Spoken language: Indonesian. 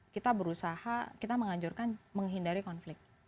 kita berusaha kita menganjurkan menghindari konflik